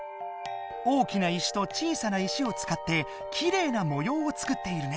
大きな石と小さな石をつかってきれいなもようを作っているね。